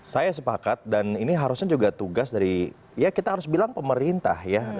saya sepakat dan ini harusnya juga tugas dari ya kita harus bilang pemerintah ya